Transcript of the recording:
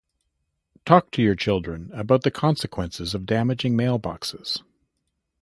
Talk to your children about the consequences of damaging mailboxes.